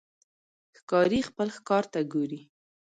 ښکاري خپل ښکار ته ګوري.